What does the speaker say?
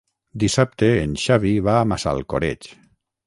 Dissabte en Xavi va a Massalcoreig.